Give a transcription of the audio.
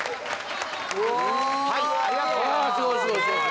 うわはいありがとうございます